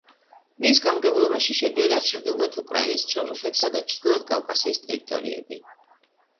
მის გამგებლობაში შედიოდა თანამედროვე უკრაინის, რუსეთისა და ჩრდილოეთ კავკასიის ტერიტორიები.